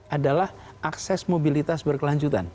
adalah akses mobilitas berkelanjutan